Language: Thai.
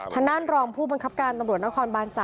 ทางด้านรองผู้บังคับการตำรวจนครบาน๓